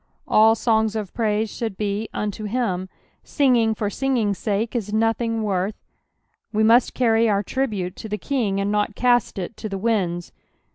All songs of pnuse should be " vnto itfl*." Singing for sioging's sake is nothing worth ; we must carry our tribute to the King, and not cast it to the ninds.